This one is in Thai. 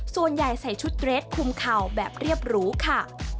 ส่วนใหญ่ใส่ชุดเรทคุมเข่าแบบเรียบหรูค่ะ